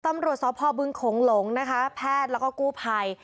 ตำรวจสพบึงโขงหลงนะคะแพทย์แล้วก็กู้ภัย